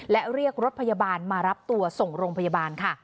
และเรียกรถพยาบาลมารับตัวส่งโรงพยาบาลค่ะ